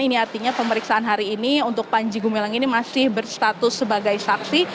ini artinya pemeriksaan hari ini untuk panji gumilang ini masih berstatus sebagai saksi